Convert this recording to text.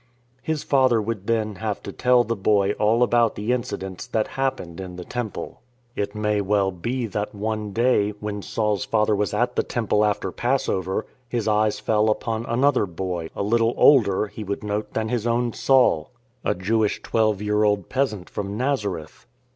His father then would have to tell the boy all about the incidents that happened in the Temple. It may well be that one day, when Saul's father was at the Temple after Passover, his eyes fell upon another Boy, a little older (he would note) than his own Saul — a ON THE CARAVAN ROAD 45 Jewish twelve year old peasant from Nazareth.